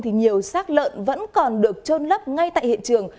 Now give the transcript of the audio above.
thì nhiều xác lợn vẫn còn được trôn lấp ngay tại hiện trường